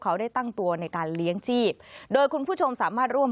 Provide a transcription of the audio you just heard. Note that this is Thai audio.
เขาได้ตั้งตัวในการเลี้ยงชีพโดยคุณผู้ชมสามารถร่วม